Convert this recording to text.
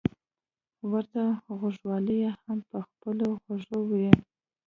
ورته غوږوالۍ يې هم په خپلو غوږو وې.